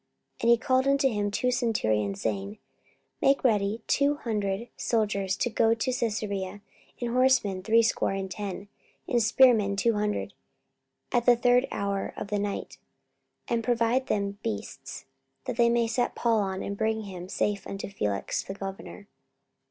44:023:023 And he called unto him two centurions, saying, Make ready two hundred soldiers to go to Caesarea, and horsemen threescore and ten, and spearmen two hundred, at the third hour of the night; 44:023:024 And provide them beasts, that they may set Paul on, and bring him safe unto Felix the governor.